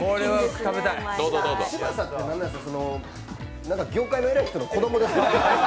嶋佐君、なんか業界の偉い人の子供ですか。